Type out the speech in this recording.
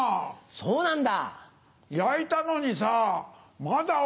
そうなんだ。